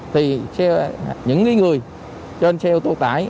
thì những người trên xe ô tô tải